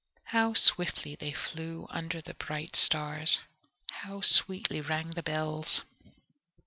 How swiftly they flew under the bright stars! How sweetly rang the bells!